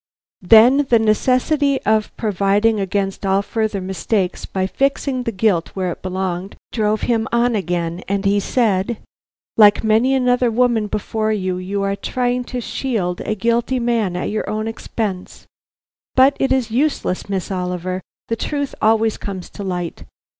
Then the necessity of providing against all further mistakes by fixing the guilt where it belonged, drove him on again, and he said: "Like many another woman before you, you are trying to shield a guilty man at your own expense. But it is useless, Miss Oliver; the truth always comes to light.